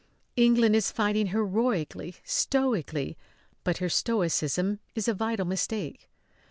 England is fighting heroically, stoically; but her stoicism is a vital mistake.